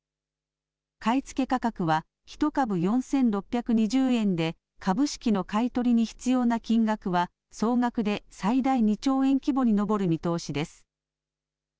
買い付け価格は、１株４６２０円で、株式の買い取りに必要な金額は総額で最大２兆円規模に上る見通しです。